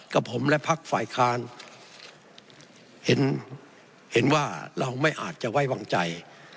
กับผมและพักฝ่ายค้านเห็นเห็นว่าเราไม่อาจจะไว้วางใจ